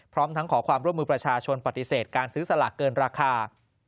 พร้อมทั้งขอความร่วมมือประชาชนปฏิเสธการซื้อสลากเกินราคา